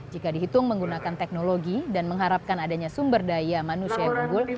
jika dihitung menggunakan teknologi dan mengharapkan adanya sumber daya manusia yang unggul